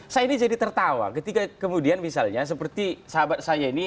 saya ini jadi tertawa ketika kemudian misalnya seperti sahabat saya ini